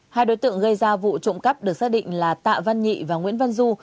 hai đối tượng gây ra vụ trộm cắp được xác định là tạ văn nhị và nguyễn văn du